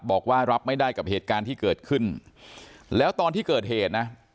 บอกว่ารับไม่ได้กับเหตุการณ์ที่เกิดขึ้นแล้วตอนที่เกิดเหตุนะ